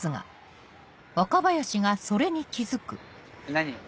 何？